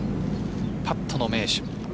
パットの名手。